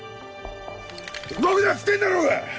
動くなっつってんだろうが！